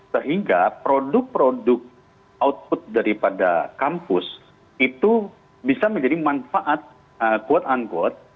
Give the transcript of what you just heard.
sehingga produk produk output daripada kampus itu bisa menjadi manfaat quote unquote